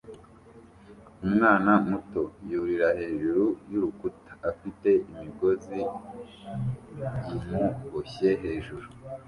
Umwana muto yurira hejuru y'urukuta afite imigozi imuboshye hejuru